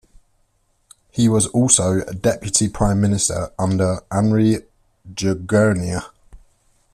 He was also deputy prime minister under Anri Jergenia.